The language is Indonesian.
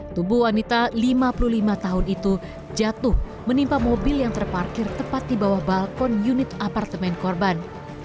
tubuh wanita lima puluh lima tahun itu jatuh menimpa mobil yang terparkir tepat di bawah balkon unit apartemen korban